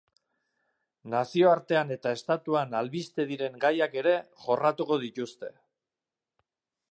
Nazioartean eta estatuan albiste diren gaiak ere jorratuko dituzte.